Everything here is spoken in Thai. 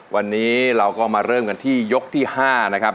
วันนี้เราก็มาเริ่มกันที่ยกที่๕นะครับ